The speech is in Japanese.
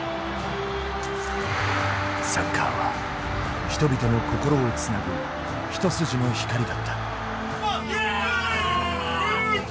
サッカーは、人々の心をつなぐ一筋の光だった。